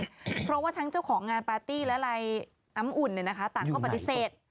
เพราะว่าทั้งเจ้าของงานปาร์ตี้และลายน้ำอุ่นต่างก็ปฏิเสธ